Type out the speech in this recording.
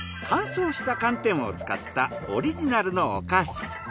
乾燥した寒天を使ったオリジナルのお菓子。